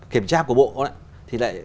kiểm tra của bộ